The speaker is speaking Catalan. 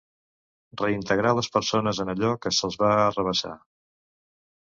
Reintegrar les persones en allò que se'ls va arrabassar.